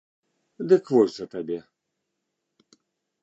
Дык вось жа табе!